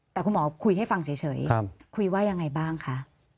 แต่คุณหมอคุยให้ฟังเฉยคุยว่ายังไงบ้างคะ